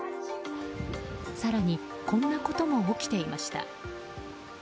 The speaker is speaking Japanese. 更に、こんなことも起きていました。